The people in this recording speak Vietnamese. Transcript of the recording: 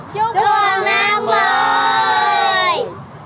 chúc con năm mới